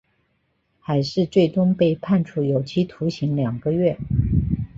海氏最终被判处有期徒刑两个月。